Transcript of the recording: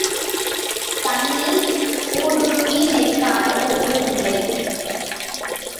தண்ணீர் ஊடுருவி நிற்காத பொருளுமில்லை.